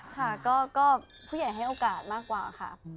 ค่ะก็ผู้ใหญ่ให้โอกาสมากกว่าค่ะ